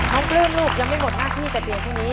น้องปลื้มลูกยังไม่หมดห้าที่กับที่นี้